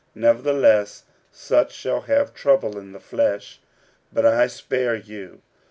Nevertheless such shall have trouble in the flesh: but I spare you.